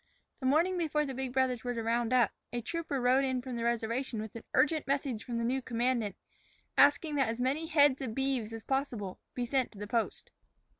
The morning before the big brothers were to round up, a trooper rode in from the reservation with an urgent message from the new commandant, asking that as many head of beeves as possible be sent to the post.